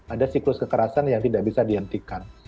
ada siklus kekerasan yang tidak bisa dihentikan